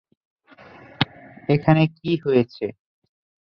এখানে কি হয়েছে?